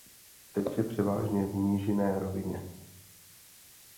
Teče převážně v nížinné rovině.